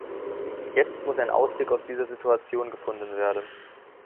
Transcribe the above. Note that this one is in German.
Jetzt muss ein Ausweg aus dieser Situation gefunden werden.